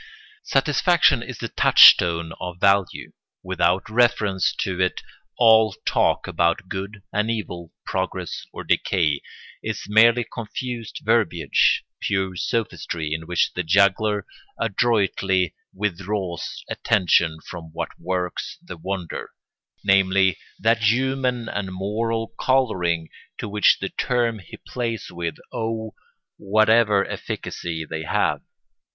] Satisfaction is the touchstone of value; without reference to it all talk about good and evil, progress or decay, is merely confused verbiage, pure sophistry in which the juggler adroitly withdraws attention from what works the wonder—namely, that human and moral colouring to which the terms he plays with owe whatever efficacy they have.